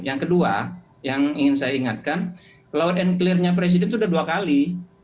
yang kedua yang ingin saya ingatkan loud and clearnya presiden itu sudah dua kali